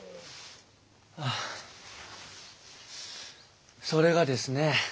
はあそれがですね